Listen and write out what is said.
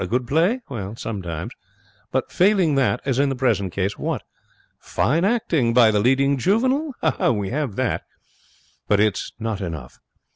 A good play? Sometimes. But failing that, as in the present case, what? Fine acting by the leading juvenile? We have that, but it is not enough.